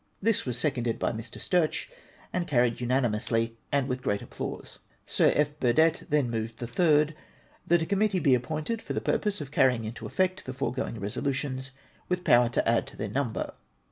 This was seconded by Mr. Sturch, and carried unanimously, and with great applause. Sir F. Burdett then moved the third :—" That a Committee be appointed for the purpose of carry ing into effect the foregoing resolutions, with power to add to their number.""